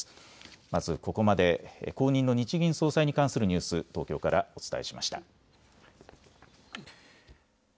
まずここまで後任の日銀総裁に関するニュース、東京からお伝えしました。